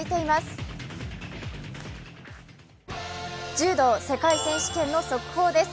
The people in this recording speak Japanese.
柔道世界選手権の速報です。